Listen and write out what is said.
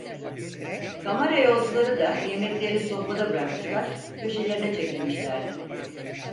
Kamara yolcuları da, yemeklerini sofrada bırakmışlar, köşelerine çekilmişlerdi.